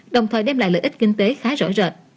đồng thời đem lại lợi ích kinh tế khá rõ rệt